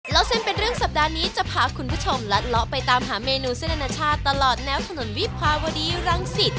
แล้วเส้นเป็นเรื่องสัปดาห์นี้จะพาคุณผู้ชมลัดเลาะไปตามหาเมนูเส้นอนาชาติตลอดแนวถนนวิภาวดีรังสิต